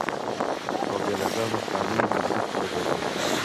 او بې لګامه خيالونو ته برېک لګوي -